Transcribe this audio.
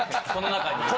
この中に？